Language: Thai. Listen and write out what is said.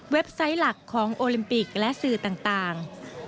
ไซต์หลักของโอลิมปิกและสื่อต่าง